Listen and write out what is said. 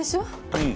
うん。